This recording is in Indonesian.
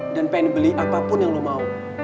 dan pengen beli apapun yang lo mau